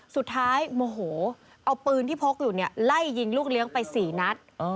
สุดท้ายโมโหเอาปืนที่พกอยู่ไล่ยิงลูกเลี้ยงไป๔นัด